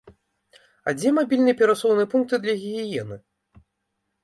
А дзе мабільныя перасоўныя пункты для гігіены?